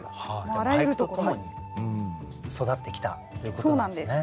じゃあ俳句とともに育ってきたということなんですね。